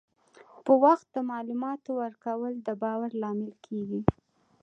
په وخت د معلوماتو ورکول د باور لامل کېږي.